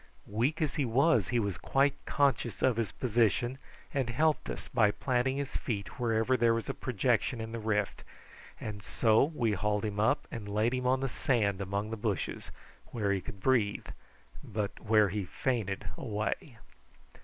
Weak as he was he was quite conscious of his position, and helped us by planting his feet wherever there was a projection in the rift, and so we hauled him up and laid him on the sand among the bushes, where he could breathe, but where he fainted away.